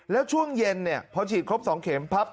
แล้วช่วงเย็นพอฉีดครบ๒เข็มปั๊บ